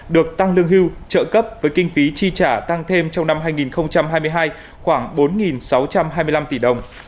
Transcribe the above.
được tăng lương hưu trợ cấp với kinh phí chi trả tăng thêm trong năm hai nghìn hai mươi hai khoảng bốn sáu trăm hai mươi năm tỷ đồng